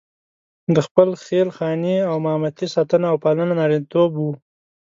د خپلې خېل خانې او مامتې ساتنه او پالنه نارینتوب وو.